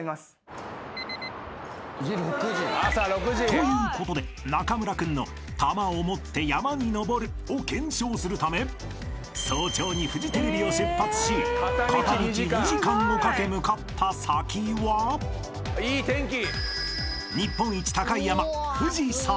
［ということで中村君の「球をもって山に登る」を検証するため早朝にフジテレビを出発し片道２時間をかけ向かった先は日本一高い山］